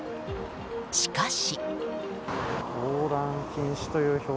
しかし。